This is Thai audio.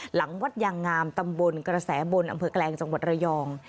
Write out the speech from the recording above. หลังวัดยางงามตำบลกระแสบนอำเภอแกลงจังหวัดระยอง